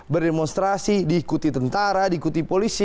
berdemonstrasi diikuti tentara diikuti polisi